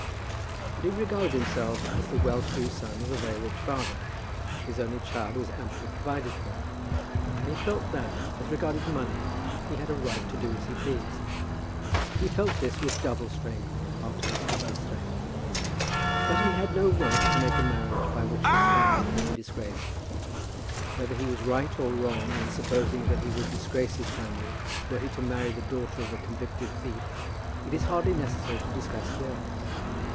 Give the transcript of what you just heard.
But he regarded himself as the well to do son of a very rich father. His only child was amply provided for; and he felt that, as regarded money, he had a right to do as he pleased. He felt this with double strength after his father's threat. But he had no right to make a marriage by which his family would be disgraced. Whether he was right or wrong in supposing that he would disgrace his family were he to marry the daughter of a convicted thief, it is hardly necessary to discuss here.